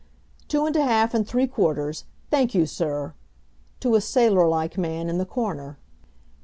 Two and a half, and three quarters. Thank you, Sir," to a sailor like man in the corner.